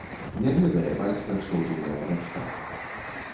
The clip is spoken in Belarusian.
Не ведае бацька, што думае дачка.